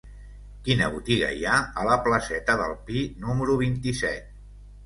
Quina botiga hi ha a la placeta del Pi número vint-i-set?